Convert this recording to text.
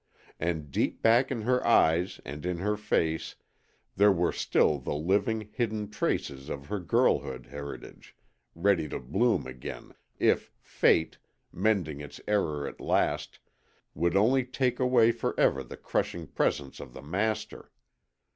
And deep back in her eyes, and in her face, there were still the living, hidden traces of her girlhood heritage ready to bloom again if Fate, mending its error at last, would only take away forever the crushing presence of the Master.